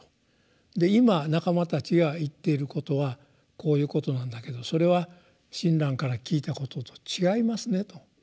で「今仲間たちが言っていることはこういうことなんだけどそれは親鸞から聞いたことと違いますね」と。